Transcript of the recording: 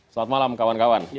selamat malam kawan kawan